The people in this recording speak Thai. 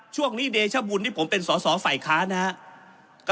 ช่วงนี้เดชบุญนี่ผมเป็นสอสอฝ่ายค้านนะครับ